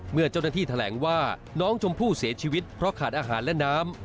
เมื่อเจ้าหน้าที่แถลงว่าน้องชมพู่เสียชีวิตเพราะขาดอาหารและน้ำ